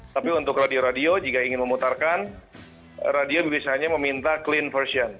tapi untuk radio radio jika ingin memutarkan radio bisa hanya meminta clean version